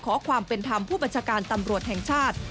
ขอความเป็นธรรมผู้บัญชาการตำรวจแห่งชาติ